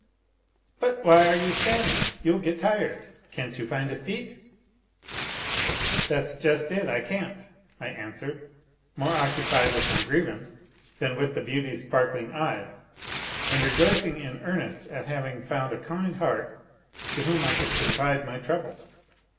" But why are you standing ? You'll get tired. Can't you find a seat ?"" That's just it, I can't," I answered, more occupied with my grievance than with the beauty's sparkling eyes, and rejoicing in earnest at having found a kind heart to whom I could confide my troubles.